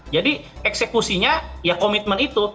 jadi eksekusinya ya komitmen itu